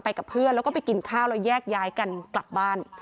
กับเพื่อนแล้วก็ไปกินข้าวแล้วแยกย้ายกันกลับบ้าน